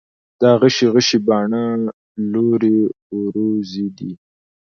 دا غشي غشي باڼه، لورې وروځې دي